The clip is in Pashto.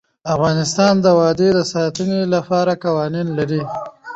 افغانستان د وادي د ساتنې لپاره قوانین لري.